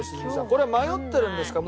これ迷ってるんですか？